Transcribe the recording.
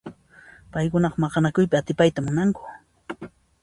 Paykuna maqanakuypi atipayta munanku.